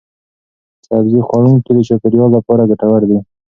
سبزي خوړونکي د چاپیریال لپاره ګټور دي.